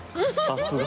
さすが。